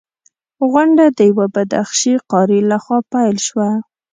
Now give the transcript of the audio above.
غونډه د یوه بدخشي قاري لخوا پیل شوه.